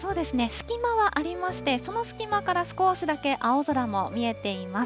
隙間はありまして、その隙間から少しだけ青空も見えています。